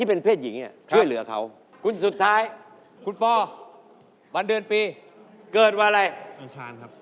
อังคารครับ